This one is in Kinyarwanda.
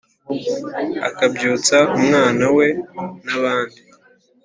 akabyutsa umwana we n'abandi